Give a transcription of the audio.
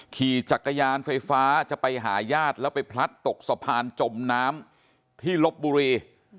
ขี่จักรยานไฟฟ้าจะไปหาญาติแล้วไปพลัดตกสะพานจมน้ำที่ลบบุรี